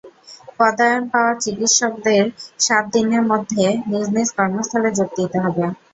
পদায়ন পাওয়া চিকিত্সকদের সাত দিনের মধ্য নিজ নিজ কর্মস্থলে যোগ দিতে হবে।